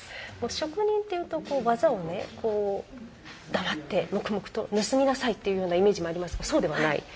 職人というと技を黙って黙々と盗みなさい！というようなイメージがありますがそうではない？